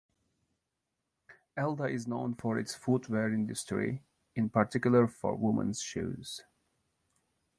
Elda is known for its footwear industry, in particular for women's shoes.